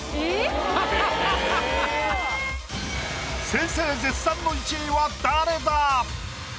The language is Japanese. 先生絶賛の１位は誰だ